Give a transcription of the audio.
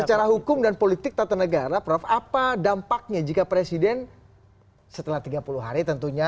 secara hukum dan politik tata negara prof apa dampaknya jika presiden setelah tiga puluh hari tentunya